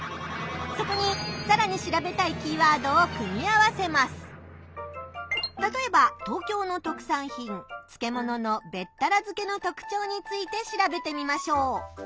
そこにさらに調べたいたとえば東京の特産品漬物のべったら漬けの特徴について調べてみましょう。